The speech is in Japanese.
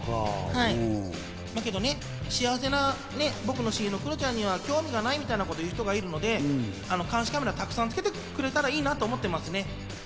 だけどね、幸せな僕の親友のクロちゃんには興味がないみたいなことを言う人がいるので監視カメラをたくさんつけてくれたらいいなと思います。